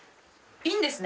いいんですか？